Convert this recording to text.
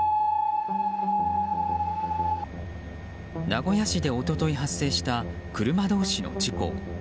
名古屋市で一昨日発生した車同士の事故。